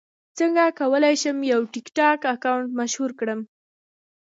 څنګه کولی شم یو ټکټاک اکاونټ مشهور کړم